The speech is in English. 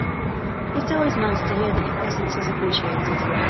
It is always nice to hear that your presence is appreciated.